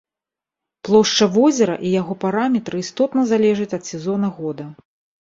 Плошча возера і яго параметры істотна залежаць ад сезона года.